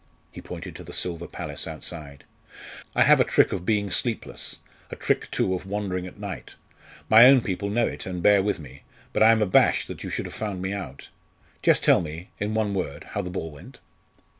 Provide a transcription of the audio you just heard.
He pointed to the silver palace outside. "I have a trick of being sleepless a trick, too, of wandering at night. My own people know it, and bear with me, but I am abashed that you should have found me out. Just tell me in one word how the ball went?"